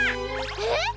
えっ！？